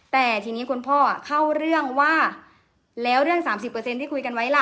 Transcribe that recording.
แต่ทีนี้คุณพ่อเข้าเรื่องว่าแล้วเรื่องสามสิบเปอร์เซ็นต์ที่คุยกันไว้ล่ะ